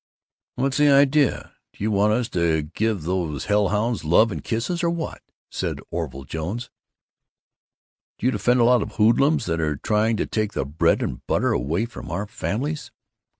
"What's the idea? Do you want us to give those hell hounds love and kisses, or what?" said Orville Jones. "Do you defend a lot of hoodlums that are trying to take the bread and butter away from our families?"